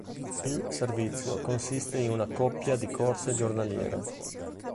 Il servizio consiste in una coppia di corse giornaliere.